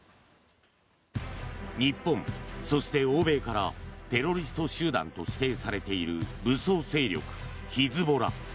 日本、そして欧米からテロリスト集団と指定されている武装勢力ヒズボラ。